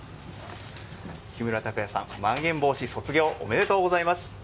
木村拓哉さん、まん延防止卒業おめでとうございます。